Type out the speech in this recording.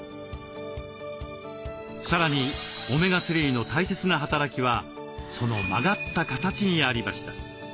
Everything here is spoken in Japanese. さらにオメガ３の大切な働きはその曲がった形にありました。